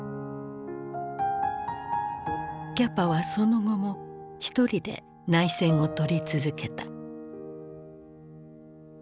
キャパはその後も一人で内戦を撮り続けた。